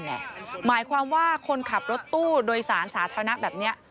หมายความว่าคนขับรถตู้โดยสารสาธารณะแบบนี้